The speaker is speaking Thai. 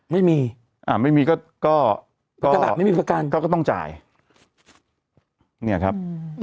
ไม่มีอ่าไม่มีก็ก็ขนาดไม่มีประกันก็ก็ต้องจ่ายเนี่ยครับ